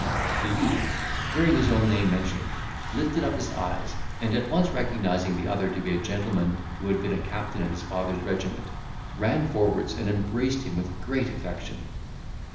The youth, hearing his own name mentioned, lifted up his eyes, and at once recognising the other to be a gentleman who had been a captain in his father's regiment, ran forwards, and embraced him with great affection.